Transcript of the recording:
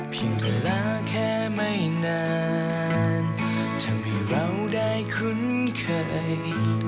จนกว่าจะมีเวลาแค่ไม่นานทำให้เราได้คุ้นเคย